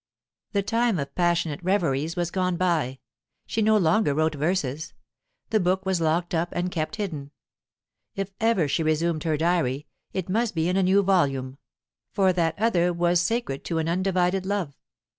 The time of passionate reveries was gone by. She no longer wrote verses. The book was locked up and kept hidden; if ever she resumed her diary, it must be in a new volume, for that other was sacred to an undivided love.